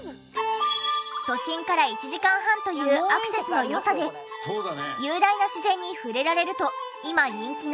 都心から１時間半というアクセスの良さで雄大な自然に触れられると今人気の秩父。